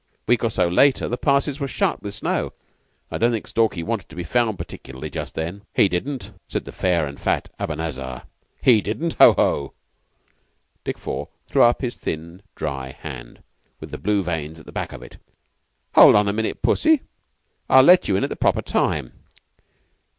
A week or so later the passes were shut with snow, and I don't think Stalky wanted to be found particularly just then." "He didn't," said the fair and fat Abanazar. "He didn't. Ho, ho!" Dick Four threw up his thin, dry hand with the blue veins at the back of it. "Hold on a minute, Pussy; I'll let you in at the proper time.